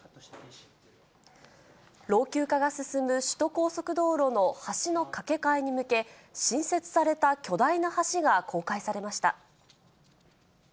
老朽化が進む首都高速道路の橋の架け替えに向け、新設された巨大な橋が公開されました。